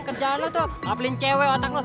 kerjaan lo tuh ngapelin cewek otak lo